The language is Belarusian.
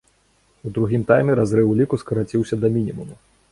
У другім тайме разрыў у ліку скараціўся да мінімуму.